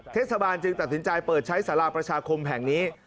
เทศบาลจึงตัดสินใจเปิดใช้สาราประชาคมแห่งนี้